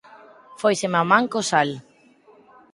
Fóiseme a man co sal